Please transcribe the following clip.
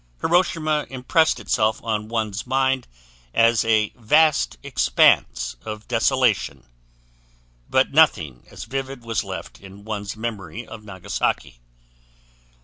Hiroshima impressed itself on one's mind as a vast expanse of desolation; but nothing as vivid was left in one's memory of Nagasaki.